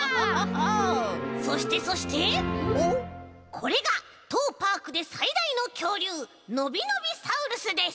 これがとうパークでさいだいのきょうりゅうのびのびサウルスです。